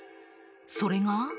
それが。